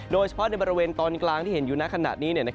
โดยเฉพาะในบริเวณตอนกลางที่เห็นอยู่ในขณะนี้